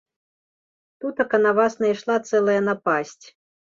Тутака на вас найшла цэлая напасць.